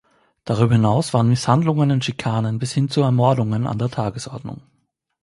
Darüber hinaus waren Misshandlungen und Schikanen bis hin zu Ermordungen an der Tagesordnung.